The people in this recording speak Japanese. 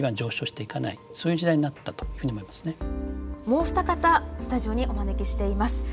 もうお二方スタジオにお招きしています。